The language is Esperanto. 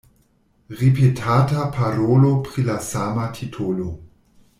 Ripetata parolo pri la sama titolo.